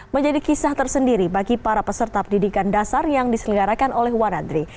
menjadi kisah tersendiri bagi para peserta pendidikan dasar yang diselenggarakan oleh wanadri